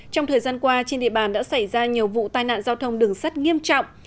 trong thời gian qua trên địa bàn đã xảy ra nhiều vụ tai nạn giao thông đường sắt nghiêm trọng